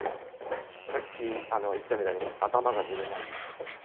さっき言ったみたいに頭がズレないように。